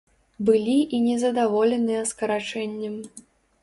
Былі і незадаволеныя скарачэннем.